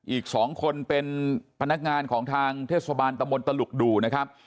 อีก๒คนเป็นพนักงานของทางเทศบาลตะมนตลุกดูนะครับ